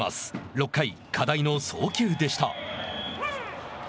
６回、課題の送球でした。